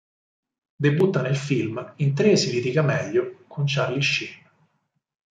Debutta nel film "In tre si litiga meglio" con Charlie Sheen.